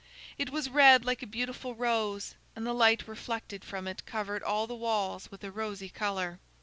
It was red like a beautiful rose, and the light reflected from it covered all the walls with a rosy color.